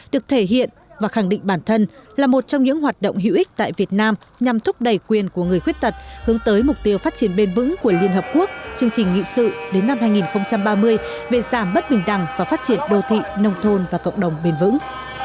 được thể hiện và khẳng định bản thân là một trong những hoạt động hữu ích tại việt nam nhằm thúc đẩy quyền của người khuyết tật hướng tới mục tiêu phát triển bền vững của liên hợp quốc chương trình nghị sự đến năm hai nghìn ba mươi về giảm bất bình đẳng và phát triển đô thị nông thôn và cộng đồng bền vững